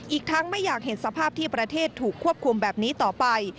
อีกทั้งไม่อยากเห็นสภาพที่ประเทศถูกควบคุมแบบนี้ต่อไป